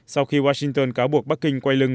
sau khi washington cáo buộc bắc kinh quay lưng